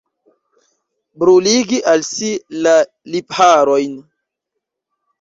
Bruligi al si la lipharojn.